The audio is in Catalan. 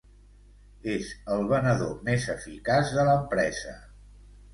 És el venedor més eficaç de l'empresa.